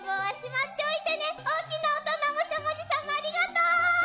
大きな大人もしゃもじさんもありがとう！